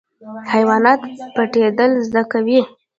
حیوانات پټیدل زده کوي